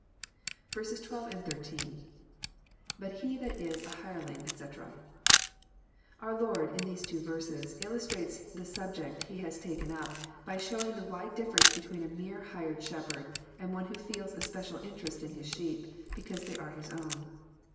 12, 13. — IBut he that is an hireling, etc.'] Our Lord in these two verses illustrates the subject He has taken up, by showing the wide difference between a mere hired shepherd, and one who feels a special interest in his sheep because they are his own.